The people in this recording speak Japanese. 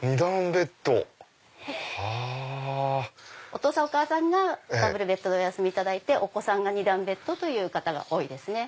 お父さんお母さんがダブルベッドでお休みいただいてお子さんが２段ベッドという方が多いですね。